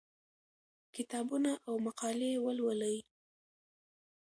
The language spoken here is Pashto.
کتابونه او مقالې ولولئ.